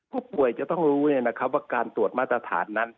ผู้ป่วยจะต้องรู้ว่าการตรวจมาตรฐานนั้น